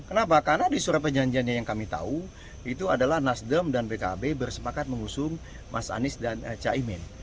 kenapa karena di surat perjanjiannya yang kami tahu itu adalah nasdem dan pkb bersepakat mengusung mas anies dan caimin